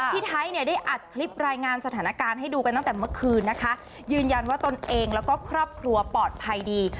ไทยเนี่ยได้อัดคลิปรายงานสถานการณ์ให้ดูกันตั้งแต่เมื่อคืนนะคะยืนยันว่าตนเองแล้วก็ครอบครัวปลอดภัยดี